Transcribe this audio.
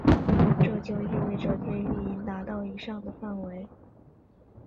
这就意味着推力应达到以上的范围。